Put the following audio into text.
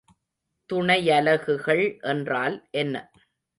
துணையலகுகள் என்றால் என்ன?